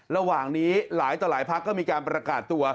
ระหว่างนี้หลายต่อหลายพักก็มีการประกาศตัว